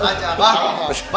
bah brother saya